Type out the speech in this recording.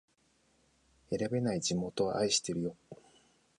選べない地元を愛してるよ